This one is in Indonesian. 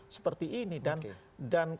seperti ini dan